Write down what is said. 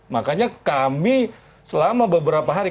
makanya kami selama beberapa hari